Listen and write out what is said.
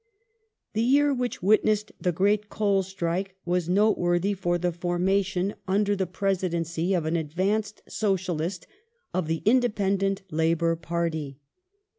Social Re The year which witnessed the great coal strike was noteworthy form £qj. ^YiQ foundation, under the presidency of an advanced socialist, of the Independent Labour Party.